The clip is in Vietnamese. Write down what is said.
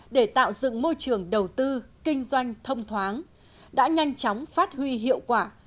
để tạo dựng môi trường đầu tư kinh doanh thông thoáng đã nhanh chóng phát huy hiệu quả